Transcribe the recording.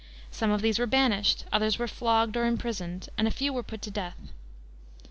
Some of these were banished, others were flogged or imprisoned, and a few were put to death.